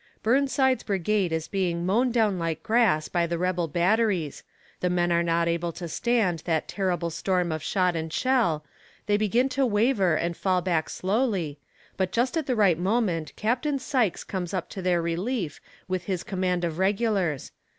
Burnside's brigade is being mown down like grass by the rebel batteries; the men are not able to stand that terrible storm of shot and shell; they begin to waver and fall back slowly, but just at the right moment Capt. Sykes comes up to their relief with his command of regulars.